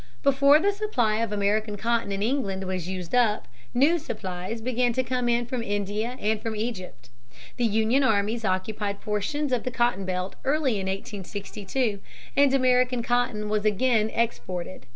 Before the supply of American cotton in England was used up, new supplies began to come in from India and from Egypt. The Union armies occupied portions of the cotton belt early in 1862, and American cotton was again exported.